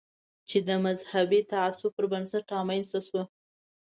چې د مذهبي تعصب پر بنسټ رامنځته شو.